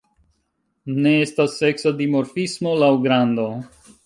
Ne estas seksa dimorfismo laŭ grando.